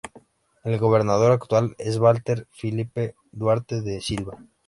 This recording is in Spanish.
El gobernador actual es Valter Filipe Duarte da Silva.